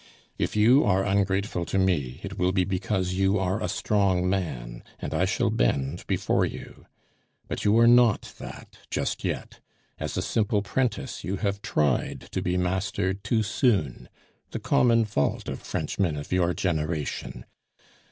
"If you are ungrateful to me, it will be because you are a strong man, and I shall bend before you. But you are not that just yet; as a simple 'prentice you have tried to be master too soon, the common fault of Frenchmen of your generation.